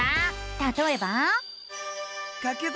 たとえば。